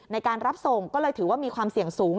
ในการรับส่งก็เลยถือว่ามีความเสี่ยงสูง